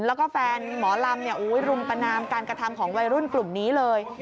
แล้วก็แฟนหมอลำรุมประนามการกระทำของวัยรุ่นกลุ่มนี้เลย